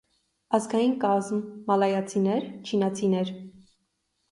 Ազգային կազմ՝ մալայացիներ, չինացիներ։